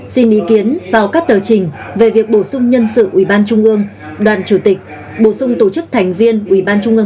xin ý kiến vào các tờ trình về việc bổ sung nhân sự ủy ban trung ương đoàn chủ tịch bổ sung tổ chức thành viên ủy ban trung ương